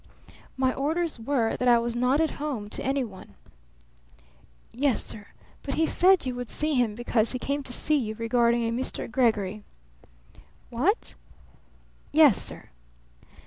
"My orders were that I was not at home to any one." "Yes, sir. But he said you would see him because he came to see you regarding a Mr. Gregory." "What?" "Yes, sir."